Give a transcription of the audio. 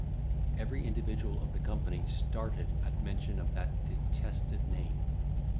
Every individual of the company started at mention of that detested name.